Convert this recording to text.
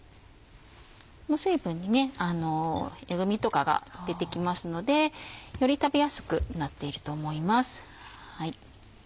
この成分にエグみとかが出てきますのでより食べやすくなっていると思います。